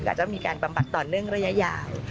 ก็จะมีการบำบัดต่อเนื่องระยะยาว